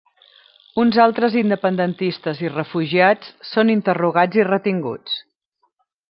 Uns altres independentistes i refugiats són interrogats i retinguts.